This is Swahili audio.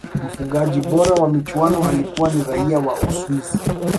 mfungaji bora wa michuano alikuwa ni raia wa uswisi